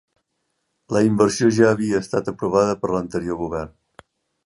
La inversió ja havia estat aprovada per l'anterior govern